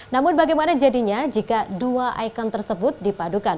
namun bagaimana jadinya jika dua ikon tersebut dipadukan